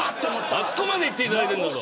あそこまで言っていただいてんだぞ。